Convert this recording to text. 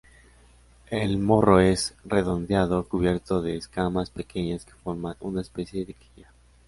El morro es redondeado, cubierto con escamas pequeñas que forman una especie de quilla.